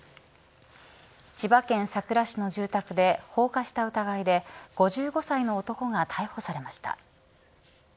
千葉県佐倉市の住宅で放火した疑いで５５歳の男が逮捕されました。